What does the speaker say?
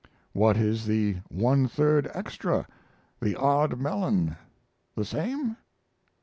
"What is the one third extra the odd melon the same?"